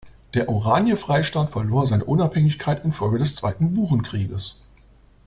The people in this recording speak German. Der Oranje-Freistaat verlor seine Unabhängigkeit infolge des Zweiten Burenkrieges.